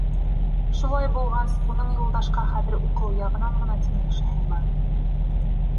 Шулай булғас, уның Юлдашҡа хәҙер уҡыу яғынан ғына тиңләшәһе бар.